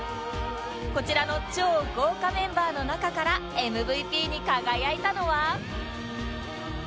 こちらの超豪華メンバーの中から ＭＶＰ に輝いたのは